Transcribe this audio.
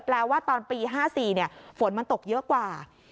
แปลว่าตอนปี๕๔เนี่ยฝนมันตกเยอะกว่า